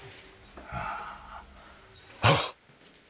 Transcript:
あっ！